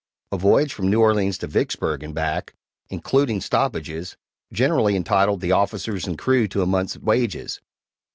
A voyage from New Orleans to Vicksburg and back, including stoppages, generally entitled the officers and crew to a month's wages.